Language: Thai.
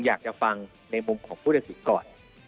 อยากจะฟังในมุมของผู้ตัดสินก่อน